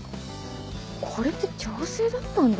これって調整だったんだ。